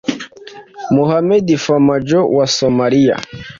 Mohamed Farmajo wa Somalia